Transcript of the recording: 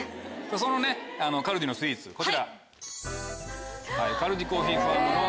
そのカルディのスイーツこちら。